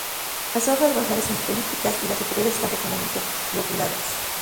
Las hojas basales son elípticas y las superiores están profundamente lobuladas.